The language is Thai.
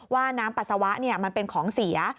ว่าน้ำปัสสาวะมันเป็นของเสีย